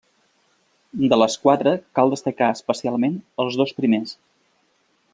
De les quatre cal destacar especialment els dos primers.